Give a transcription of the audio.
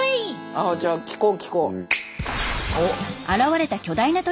あっじゃあ聞こう聞こう。